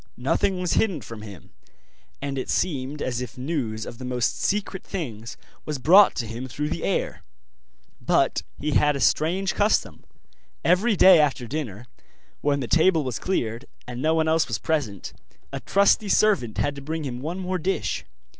Nothing was hidden from him, and it seemed as if news of the most secret things was brought to him through the air. But he had a strange custom; every day after dinner, when the table was cleared, and no one else was present, a trusty servant had to bring him one more dish.